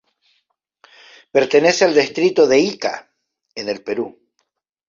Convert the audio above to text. Pertenece al distrito de Ica, en el Perú.